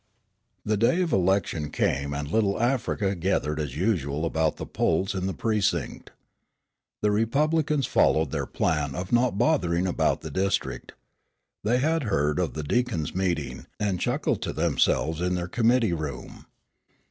The day of election came and Little Africa gathered as usual about the polls in the precinct. The Republicans followed their plan of not bothering about the district. They had heard of the Deacon's meeting, and chuckled to themselves in their committee room.